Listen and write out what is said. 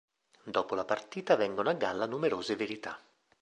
Dopo la partita vengono a galla numerose verità.